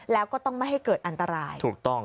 แล้วก็ต้องไม่ให้เกิดอันตราย